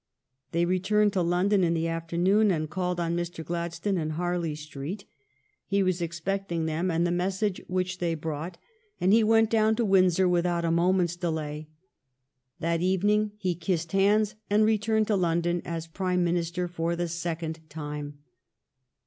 They returned to London in the afternoon and called on Mr. Gladstone in Harley Street. He was expecting them and the message which they brought, and he 334 THE STORY OF GLADSTONES LIFE went down to Windsor without a moment's delay. That evening he kissed hands, and returned to London as Prime Minister for the second time.